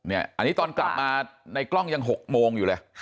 อันนี้ตอนกลับมาในกล้องยัง๖โมงอยู่เลย